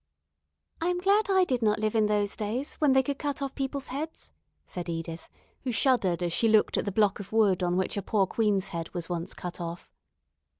"I am glad I did not live in those days, when they could cut off people's heads," said Edith, who shuddered as she looked at the block of wood on which a poor queen's head was once cut off.